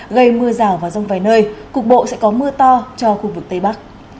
gây mưa rào và rông vài nơi cục bộ sẽ có mưa to cho khu vực tây bắc